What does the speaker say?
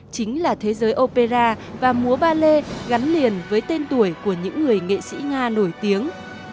chính là thế giới opera và múa ba lê gắn liền với tên tuổi của những người nghệ sĩ nga nổi tiếng